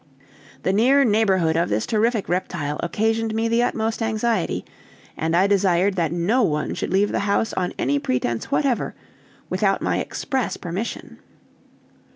The near neighborhood of this terrific reptile occasioned me the utmost anxiety; and I desired that no one should leave the house on any pretense whatever, without my express permission.